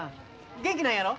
元気なんやろ？